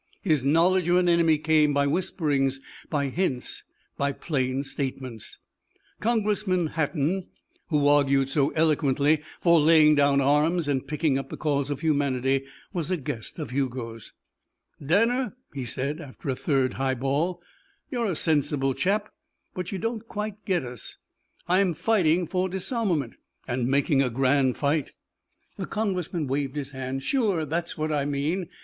His knowledge of an enemy came by whisperings, by hints, by plain statements. Congressman Hatten, who argued so eloquently for laying down arms and picking up the cause of humanity, was a guest of Hugo's. "Danner," he said, after a third highball, "you're a sensible chap. But you don't quite get us. I'm fighting for disarmament " "And making a grand fight " The Congressman waved his hand. "Sure. That's what I mean.